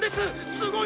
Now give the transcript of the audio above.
すごい！